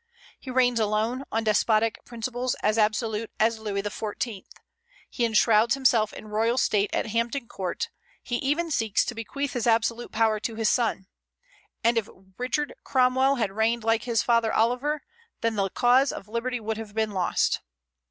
he reigns alone, on despotic principles, as absolute as Louis XIV.; he enshrouds himself in royal state at Hampton Court; he even seeks to bequeath his absolute power to his son. And if Richard Cromwell had reigned like his father Oliver, then the cause of liberty would have been lost.